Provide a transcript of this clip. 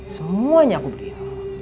semuanya aku beliin